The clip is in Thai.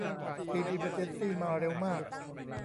ทีมอีเมอร์เจนซี่มาเร็วมาก